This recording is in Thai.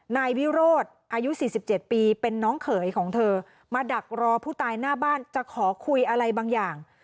นายวิโรธอายุ๔๗ปีเป็นน้องเขยของเธอมาดักรอผู้ตายหน้าบ้านจะขอคุยอะไรบางอย่าง